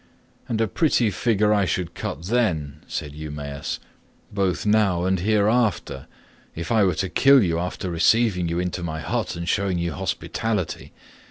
"And a pretty figure I should cut then," replied Eumaeus, "both now and hereafter, if I were to kill you after receiving you into my hut and showing you hospitality.